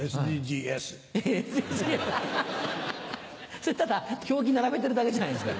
それただ表記並べてるだけじゃないですか。